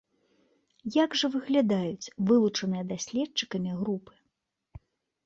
Як жа выглядаюць вылучаныя даследчыкамі групы?